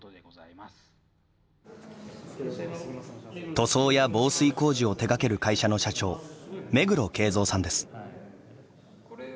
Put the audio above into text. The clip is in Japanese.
塗装や防水工事を手がける会社の社長、目黒啓三さんです。